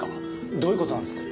どういうことなんです！？